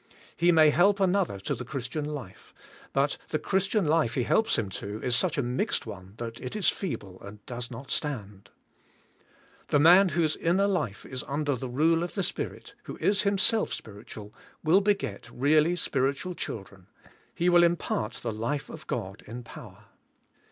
He may help an 8 THE SPIRITUAL LIFE. otlier to the Christian life but the Christian life he helps him to is such a mixed one that it is feeble and does not stand. The man whose inner life is under the rule of the Spirit, who is himself spirit ual, will beget really spiritual children; he will im part the life of God in power.